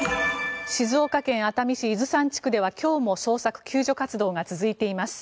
静岡県熱海市伊豆山地区では今日も捜索救助活動が続いています。